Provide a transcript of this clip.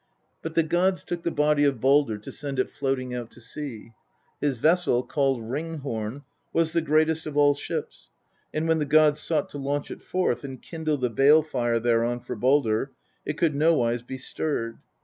But the gods took the body of Baldr to send it floating out to sea. His vessel, called Ring horn, was the greatest of all ships, and when the gods sought to launch it forth and kindle the bale fire thereon for Baldr, it could nowise be stirred.